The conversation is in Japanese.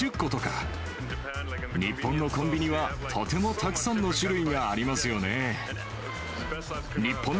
日本のコンビニは、とてもたくさんの種類がありますよね。